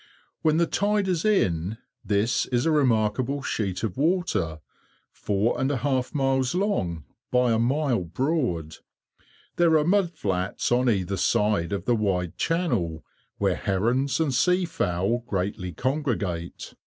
When the tide is in, this is a remarkable sheet of water, four and a half miles long by a mile broad. There are mud flats on either side of the wide channel, where herons and sea fowl greatly congregate.